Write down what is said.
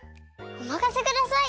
おまかせください！